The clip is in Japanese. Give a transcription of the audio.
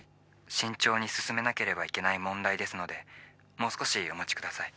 慎重に進めなければいけない問題ですのでもう少しお待ちください。